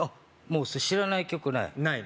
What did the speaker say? もう知らない曲ない？